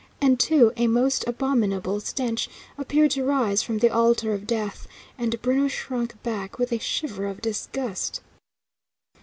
And, too, a most abominable stench appeared to rise from the altar of death, and Bruno shrunk back with a shiver of disgust.